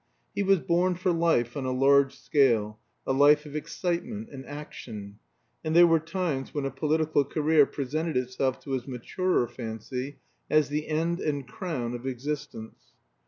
He was born for life on a large scale, a life of excitement and action; and there were times when a political career presented itself to his maturer fancy as the end and crown of existence.